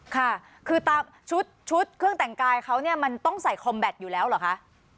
ค่ะคือตามชุดเครื่องแต่งกายเขาเนี่ยมันต้องใส่คอมแบตอยู่แล้วเหรอคะ